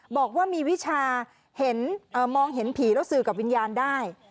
บอกว่ามีวิชามองเห็นผีแล้วสื่อกับวิญญาณได้